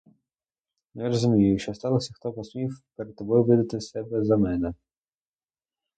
Не розумію, що сталося і хто посмів перед тобою видати себе за мене.